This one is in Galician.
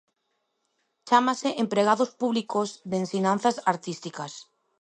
Chámanse empregados públicos de ensinanzas artísticas.